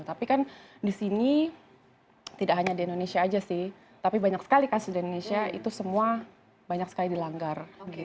tapi kan di sini tidak hanya di indonesia aja sih tapi banyak sekali kasus di indonesia itu semua banyak sekali dilanggar